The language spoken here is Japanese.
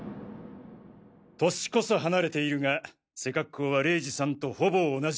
年こそ離れているが背格好は玲二さんとほぼ同じ。